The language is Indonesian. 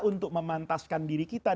untuk memantaskan diri kita